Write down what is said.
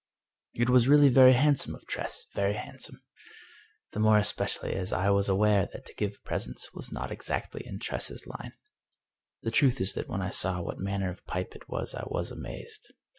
It was really very handsome of Tress — ^very handsome! The more especially as I was aware that to give presents was not exactly in Tress's line. The truth is that when I saw what manner of pipe it was I was amazed.